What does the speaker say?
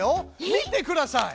見てください！